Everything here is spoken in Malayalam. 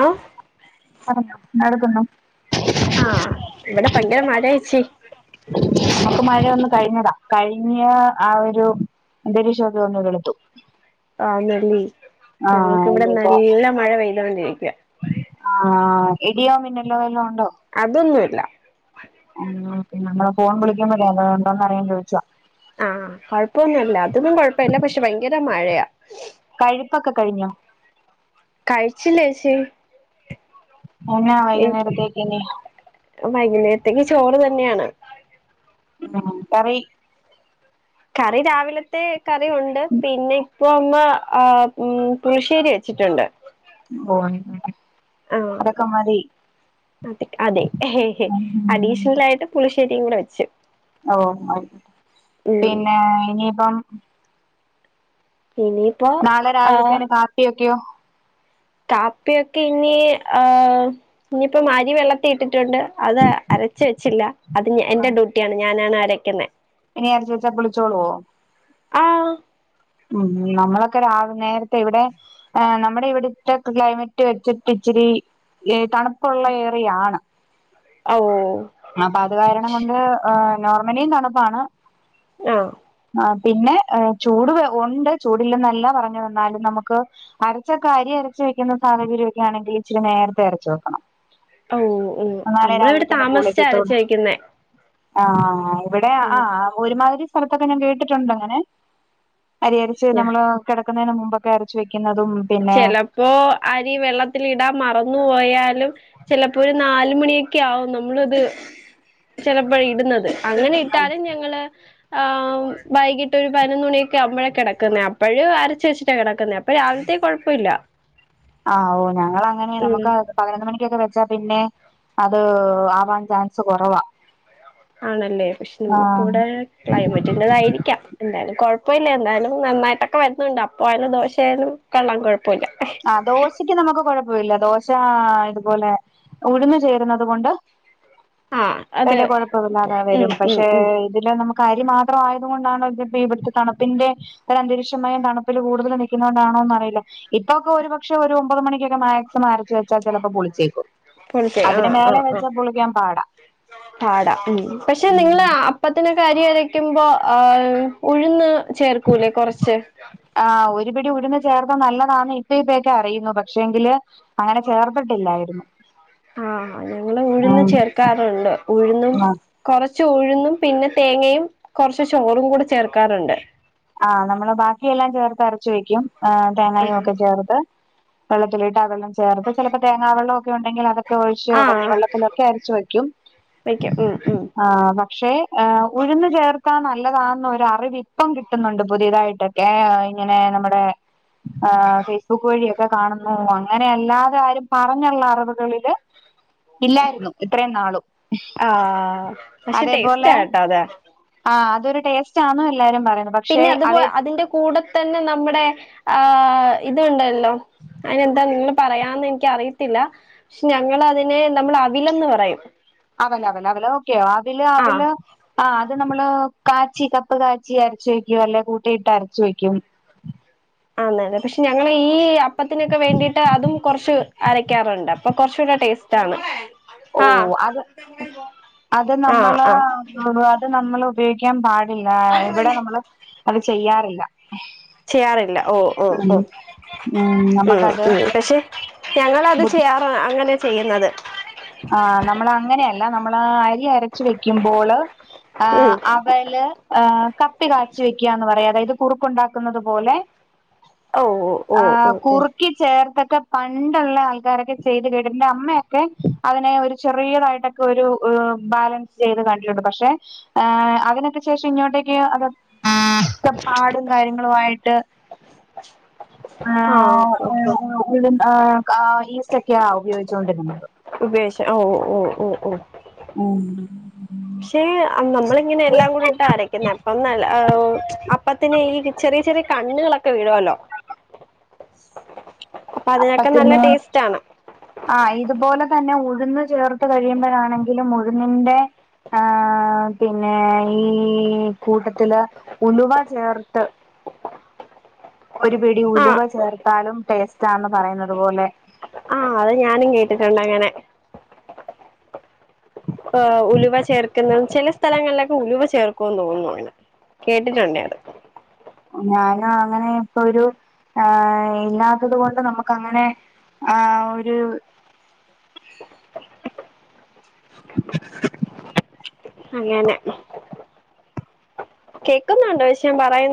ആഹ പറഞ്ഞോ നടക്കുന്നു ആഹ ഇവിടെ ഭങ്കര മഴയേച്ചി നമുക്ക് മഴൊന്ന് കഴിഞ്ഞതാ കഴിഞ്ഞിയ ആ ഒരു അന്തരീക്ഷം ഒക്കെ ഒന്ന് വെളുത്തു ആഹ നല്ലി ആ ഞമ്മുക്ക് ഇവിടെ നല്ല മഴ പെയ്തോണ്ടിരിക്കുക ആഹ ഇടിയോ മിന്നലോ വല്ലോം ഉണ്ടോ അതൊന്നുമില്ല ഉ പിന്നെ നമ്മള് ഫോൺ വിളിക്കുമ്പോൾ കേൾക്കുണ്ട് എന്നറിയാൻ ചോദിച്ചതാ ആഹ കൊഴപ്പൊന്നുമില്ല അതൊന്നും കൊഴപ്പമില്ല പക്ഷെ ഭയങ്കര മഴയാ കഴിപ്പൊക്കെ കഴിഞ്ഞോ കഴിച്ചില്ലേച്ചി എന്നാ എനിക്ക് വൈക്കിന്നേരത്തേക്കിനി വൈകുന്നേരത്തേക്ക് ചോറ് തന്നെയാണ് കറി കറി രാവിലത്തെ കറി ഉണ്ട് പിന്നെ ഇപ്പൊ അമ്മ ആഹ മ്മ് പുളിശ്ശേരി വെച്ചിട്ടുണ്ട് ഓ അങ്ങനെ ആഹ അതെ അഡീഷണലായിട്ടു പുളിശ്ശേരിയും കൂടെ വെച്ച് ഓ ഉം പിന്നെ ഇനിയിപ്പം ഇനി നാളെ രാവിലത്തേനും കാപ്പിയൊക്കെയോ കാപ്പിയൊക്കെ ഇനി ആഹ ഇനിയിപ്പോ അരി വെള്ളത്തിലിട്ടിട്ടുണ്ട് അത് അരച്ച് വെച്ചില്ല അത് എന്റെ ഡ്യൂട്ടിയാണ് ഞാനാണ് അരക്കുന്നത് ഇനി അരച്ച വച്ചാ പുളിച്ചോളുവോ ആഹ ഉ നമ്മളൊക്കെ രാവി നേരത്തെ ഇവിടെ നമ്മുടെ ഇവിടെ ഒറ്റ ക്ലൈമറ്റ് വെച്ചിട്ട് ഇച്ചിരി തണുപ്പുള്ള ഏരിയാണ് ആവോ അപ്പൊ അത് കാരണം കൊണ്ട് നോർമലിയും തണുപ്പാണ് ആഹ് ആ പിന്നെ ചൂട് ഒണ്ട് ചൂടില്ലെന്ന പറഞ്ഞത് എന്നാലും നമുക്ക് അരച്ചൊക്കെ അരി അരച്ച് വെക്കുന്ന സാഹചര്യവൊക്കെ ആണെങ്കിൽ ഇച്ചിരി നേരത്തെ അരച്ചു വെക്കണം ഓന് ഓഹ് എന്നാലേ നമ്മളവിടെ രാവിലത്തേന് പുളി താമസിച്ചാ അരച്ച് കിട്ടോള്ളൂ വെക്കുന്നേ ആഹ് ഇവിടെ ആ ഒരുമാതിരി സ്ഥലത്തൊക്കെ ഞാൻ കേട്ടിട്ടുണ്ട് അങ്ങനെ അരി അരച്ച് ഞാ നമ്മള് കിടക്കുന്നതിന് മുമ്പൊക്കെ അരച്ച് വെക്കുന്നതും പിന്നെ ചെലപ്പോ അരി വെള്ളത്തിലിടാൻ മറന്നു പോയാലും ചിലപ്പോ ഒരു നാല് മണിയൊക്കെ ആവും നമ്മളത് ചിലപ്പോ ഇടുന്നത് അങ്ങനെ ഇട്ടാലും ഞങ്ങള് ആഹ് വൈകിട്ട് ഒരു പതിനൊന്ന് മണിയൊക്കെ ആകുമ്പോഴാ കിടക്കുന്നത് അപ്പോഴും അരച്ച് വെച്ചിട്ടാണ് കിടക്കുന്നത് അപ്പോ രാവിലത്തെക്ക് കൊഴപ്പം ഇല്ല ആ ഓ ഞങ്ങളങ്ങനെ ഉം നമുക്ക് പതിനൊന്ന് മണിക്കൊക്കെ വെച്ചാ പിന്നെ അത് ആവാൻ ചാൻസ് കൊറവാ ആണല്ലേ പക്ഷെ നമുക്കിവിടെ ക്ലൈമറ്റിന്റെതായിരിക്കാം എന്തായാലും കൊഴപ്പയില്ല എന്തായാലും നന്നായിട്ടൊക്കെ വരുന്നുണ്ട് അപ്പ ആയാലും ദോശയാലും കൊള്ളാൻ കൊഴപ്പല്ല ആ ദോശക്ക് നമുക്ക് കൊഴപ്പില്ല ദോശ ഇതുപോലെ ഉഴന്നു ചേരുന്നത് കൊണ്ട് ആഹ് അത് വലിയ കൊഴപ്പില്ലാതെ ഉം വരും ഉം പക്ഷേ ഉം ഇതില് നമുക്ക് അരി മാത്രം ആയത് കൊണ്ടാണ് ഇവിടുത്തെ തണുപ്പിന്റെ ഒരന്തരീക്ഷമായും തണുപ്പിൽ കൂടുതൽ നിൽക്കുന്നത് കൊണ്ടാണോന്ന് അറിയില്ല ഇപ്പൊക്കെ ഒരുപക്ഷെ ഒരു ഒമ്പത് മണിക്കൊക്കെ മ മരച്ചവെച്ചാൽ ചിലപ്പോ പുളിച്ചേക്കും പൊടിച്ചത് അതിന് ആഹ് മേലെ ആഹ് ആഹ് വെച്ചാ പൊളിക്കാൻ പാടാ പാടാ ഉം പക്ഷെ ഉം നിങ്ങള് അപ്പ് പ്പത്തിനെ അരി അരക്കുമ്പോ ആ ഉഴുന്ന് ചേർക്കൂല്ലേ കൊറച്ച് ആ ഒരുപിടി ഉഴുന്ന് ചേർത്താ നല്ലതാണന്ന് ഇപ്പ ഇപ്പേക്കെ അറിയുന്നത് പക്ഷേങ്കില് അങ്ങനെ ചേർത്തിട്ടില്ലായിരുന്നു ആ ഞങ്ങള് ഉഴുന്ന് ആഹ് ചേർക്കാറുണ്ട് ഉഴുന്നും ആഹ് കൊറച്ച് ഉഴുന്നും പിന്നെ തേങ്ങയും കൊറച്ച് ചോറും കൂടെ ചേർക്കാറുണ്ട് ആ നമ്മള് ബാക്കിയെല്ലാം ചേർത്ത് അരച്ച് വെക്കും തേങ്ങായും ഒക്കെ ചേർത്ത് വെള്ളത്തിലിട്ടാ ആക്കുന്നെ ചേർത്ത് ചിലപ്പോ തേങ്ങാവെള്ളമൊക്കെ ഉണ്ടെങ്കിൽ അതൊക്കെ ഒഴിച്ച് ആഹ് കഞ്ഞിവെള്ളത്തിലൊക്കെ അരച്ച് വയ്ക്കും വെക്കും ഉം ഉം ആഹ്‌ പക്ഷേ അഹ് ഉഴുന്ന് ചേർത്താ നല്ലതാന്ന് ഒരറിവ് ഇപ്പം കി ട്ടുന്നൊണ്ട് പുതിയതായിട്ടക്കെ ഇങ്ങനെ നമ്മുടെ ആഹ് ഫേസ്ബുക്ക് വഴിയൊ ഒക്ക കാണുന്നു അങ്ങനെ അല്ലാതെ ആരും പറഞ്ഞുള്ള അറിവുകളില് ഇല്ലാരുന്നു ഇത്രേം നാളും ആഹ് പക്ഷെ ടേസ്റ്റ് അതേപോലെ ആട്ടോ അത് ആഹ് അതൊരു ടേസ്റ്റ് ആന്നും എല്ലാരും പറയും പിന്നെ അത് പോ അതിന്റെ കൂടെ തന്നെ നമ്മുടെ ആഹ്‌ ഇതുണ്ട ണ്ടോ ആയിനെന്താ നിങ്ങള് പറയാന്നെനിക്കറിയത്തില്ല ക്ഷേ ഞങ്ങളതിനെ നമ്മള് അവിലെന്ന് പറയും അവല് ലവല് ഓക്കെ യതില് ആഹ് അവില് ആഹ്‌ അത് നമ്മള് കാച്ചി കപ്പ് കാച്ചി അരച്ച് വയ്ക്കും അല്ലെ കൂട്ടിയിട്ട് അരച്ച് വയ്ക്കും ആന് അതെ പക്ഷെ ഞങ്ങളീ ഈ അപ്പത്തിനൊക്ക വേണ്ടീട്ട് അതും കൊറച്ച് അരക്കാറൊണ്ട് അപ്പൊ കൊറച്ചൂട ടേസ്റ്റാണ് ഓഹ് അത് അത് ആഹ് നമ്മള് ആഹ് അത് നമ്മള് ഉപയോഗിക്കാൻ പാ ടില്ലാ ഇവിടെ നമ്മള് അത് ചെയ്യാറില്ല ചെയ്യാറില്ല ഓഹ് ഓഹ് ഉം ഓഹ് ഉം ഉം പക്ഷെ ഞങ്ങളത് ബുദ്ധി ചെയ്യാറ് അങ്ങനെയാ ചെയ്യുന്നത് ആഹ്‌ നമ്മളങ്ങനെയല്ല നമ്മള് അരി അരച്ച് വെക്കുമ്പോള് ആഹ്‌ ഉം അ ടുപ്പേല് ആഹ് കപ്പി കാച്ചി വെക്ക്യാന്ന് പറയും അതായത് കുറുക്കൊണ്ടാക്കുന്നത് പോലെ ഓ ഓ ഓ ആഹ്‌ ഓ ഓ കുറുക്കി ചേർത്തൊക്കെ പണ്ടുള്ള ആൾക്കാരൊക്കെ ചെയ്ത് കേട്ടട്ടെണ്ട് അമ്മയൊക്കെ അതിനെ ഒരു ചെറിയതായിട്ടൊക്കൊരു ഏഹ് ബാലൻസ് ചെയ്ത് കണ്ടിട്ടുണ്ട് പക്ഷെ ആഹ് അതിനൊക്കെ ശേഷം ഇങ്ങോട്ടേക്ക് അത് പാടും കാര്യങ്ങളും ആയിട്ട് ആഹ് ആഹ്‌ ഓഹ് ആഹ് ആഹ് ഇതും ആഹ് കാ ഈസ്റ്റോക്കെയാ ഉപയോഗിച്ചോണ്ടിരുന്നത് ഉപയോഗിച്ച് ഓഹ് ഓഹ് ഓഹ് ഓഹ് ഓഹ് ഉം പക്ഷേ അഹ് നമ്മളിങ്ങനെ എല്ലാം കൂടിട്ടാ അരക്കുന്നെ അപ്പം നല്ല ഓഹ് അപ്പത്തിനെ ഈ ചെറിയ ചെറിയ കണ്ണുകളൊക്ക വീഴുവല്ലോ അപ്പൊ അതിനൊക്കെ നല്ല അപ്പത്തിന് ടേസ്റ്റ് ആണ് ആഹ്‌ ഇതുപോലെ തന്നെ ഉഴുന്ന് ചേർത്ത് കഴിയുമ്പോഴാണെങ്കിലും ഉഴുന്നിന്റെ ആഹ്‌ പിന്നെ ഈ കൂട്ടത്തില് ഉലുവ ചേർത്ത് ഒരു പിടി ഉലുവ ആഹ് ചേർത്താലും ടേസ്റ്റാന്ന് പറയുന്നത് പോലെ ആഹ്‌ അത് ഞാനും കേട്ടിട്ടൊണ്ട് അങ്ങനെ ഓഹ് ഉലുവ ചേർക്കുന്നത് ചെല സ്ഥലങ്ങളിലൊക്ക ഉലുവ ചേർക്കോന്ന് തോന്നുന്നു അങ്ങനെ കേട്ടിട്ടുണ്ടേ അത് ഞാനും അങ്ങനെ ഇപ്പൊ ഒരു ഏഹ്‌ ഇല്ലാത്തത് കൊണ്ട് നമുക്ക് അങ്ങനെ ആഹ്‌ ഒരു അങ്ങനെ കേക്കുന്നൊണ്ട് പക്ഷെ ഞാൻ പറയു